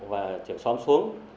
và trưởng xóm xuống